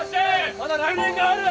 まだ来年がある！